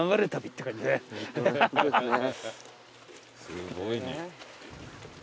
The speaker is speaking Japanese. すごいね。